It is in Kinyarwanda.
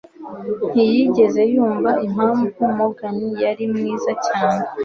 Ntiyigeze yumva impamvu Morgan yari mwiza cyane,